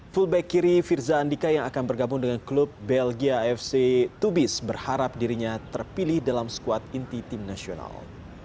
fullback kiri firza andika yang akan bergabung dengan klub belgia fc tubis berharap dirinya terpilih dalam skuad inti tim nasional